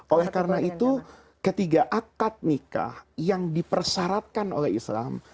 oleh karena itu ketiga akad nikah yang dipersyaratkan oleh islam